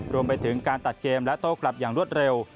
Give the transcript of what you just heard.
รวมไปถึงการตัดเกมและโต้กลับอย่างรวดเร็ว